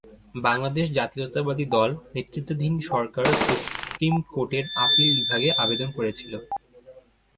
বাংলাদেশ জাতীয়তাবাদী দল নেতৃত্বাধীন সরকার সুপ্রিম কোর্টের আপিল বিভাগে আবেদন করেছিল।